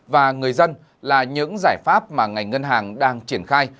và người dân là những giải pháp mà ngành ngân hàng đang triển khai